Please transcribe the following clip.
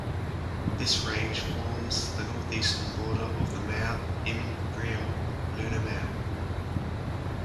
This range forms the northeastern border of the Mare Imbrium lunar mare.